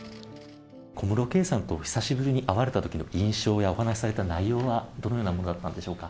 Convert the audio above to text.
小室圭さんと久しぶりに会われたときの印象やお話しされた内容は、どのようなものだったんでしょうか？